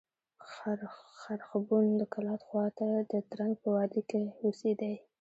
خرښبون د کلات خوا ته د ترنک په وادي کښي اوسېدئ.